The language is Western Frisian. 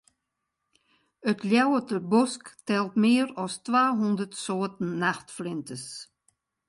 It Ljouwerter Bosk telt mear as twa hûndert soarten nachtflinters.